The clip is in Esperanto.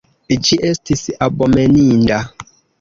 Ĝi estis abomeninda.